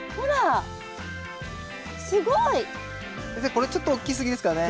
これちょっと大きすぎですかね？